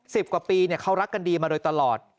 สิบกว่าปีเนี่ยเขารักกันดีมาโดยตลอด